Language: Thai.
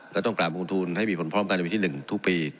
และต้องการบุคล์ทูลให้มีผลพร้อมการในวิทย์๑ทุกปี